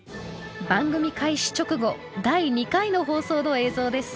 番組開始直後第２回の放送の映像です。